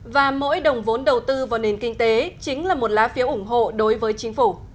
và mỗi đồng vốn đầu tư vào nền kinh tế chính là một lá phiếu ủng hộ đối với chính phủ